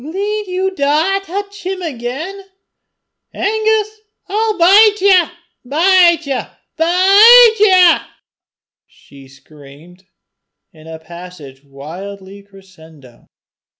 "Gien ye daur to touch 'im again, Angus, I'll bite ye bite ye BITE YE," she screamed, in a passage wildly crescendo.